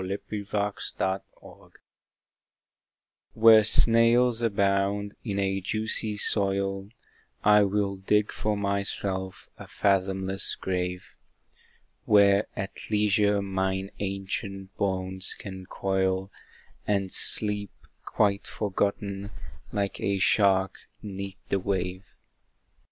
The Joyous Defunct Where snails abound in a juicy soil, I will dig for myself a fathomless grave, Where at leisure mine ancient bones I can coil, And sleep quite forgotten like a shark 'neath the wave.